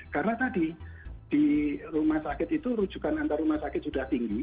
karena tadi di rumah sakit itu rujukan antar rumah sakit sudah tinggi